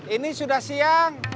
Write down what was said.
ini sudah siang